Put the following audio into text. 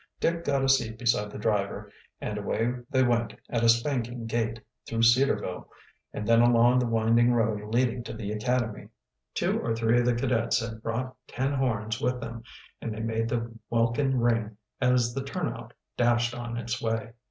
Dick got a seat beside the driver, and away they went at a spanking gait, through Cedarville, and then along the winding road leading to the academy. Two or three of the cadets had brought tin horns with them, and they made the welkin ring as the turnout dashed on its way.